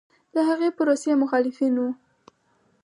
د هغې پروسې مخالفین و